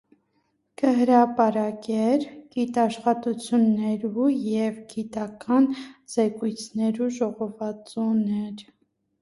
Կը հրատարակէր գիտաշխատութիւններու եւ գիտական զեկուցումներու ժողովածոներ։